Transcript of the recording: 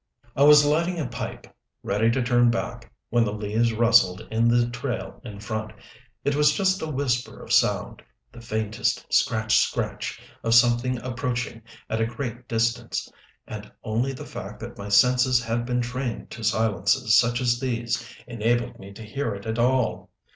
I was lighting a pipe, ready to turn back, when the leaves rustled in the trail in front. It was just a whisper of sound, the faintest scratch scratch of something approaching at a great distance, and only the fact that my senses had been trained to silences such as these enabled me to hear it at all.